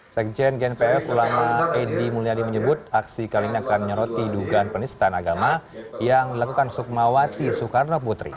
sekjen gnpf ulama edy mulyadi menyebut aksi kali ini akan menyoroti dugaan penistaan agama yang dilakukan sukmawati soekarno putri